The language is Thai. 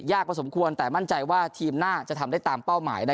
ยากกว่าสมควรแต่มั่นใจว่าทีมหน้าจะทำได้ตามเป้าหมายนะ